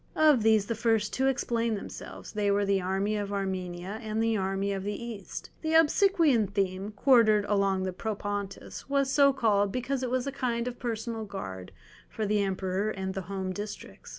Of these the first two explain themselves, they were the "army of Armenia" and the "army of the East"; the Obsequian theme, quartered along the Propontis, was so called because it was a kind of personal guard for the Emperor and the home districts.